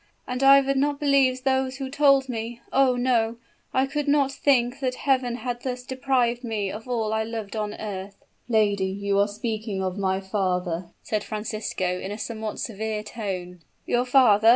And I would not believe those who told me. Oh! no I could not think that Heaven had thus deprived me of all I loved on earth!" "Lady, you are speaking of my father," said Francisco, in a somewhat severe tone. "Your father!"